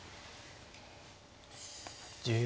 １０秒。